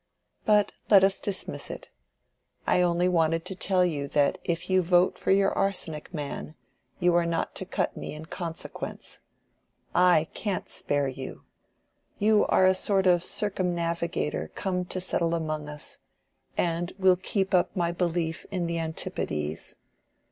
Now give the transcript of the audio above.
But let us dismiss it. I only wanted to tell you that if you vote for your arsenic man, you are not to cut me in consequence. I can't spare you. You are a sort of circumnavigator come to settle among us, and will keep up my belief in the antipodes.